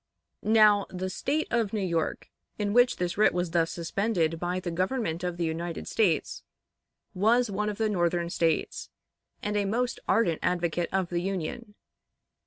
Now, the State of New York, in which this writ was thus suspended by the Government of the United States, was one of the Northern States and a most ardent advocate of the Union.